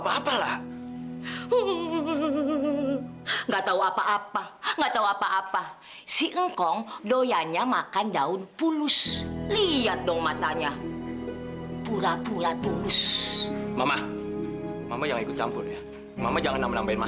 mohon wih lepasin tangan saya pak dewi dengarkan saya dulu saya mohon saya nggak mau denger apa apa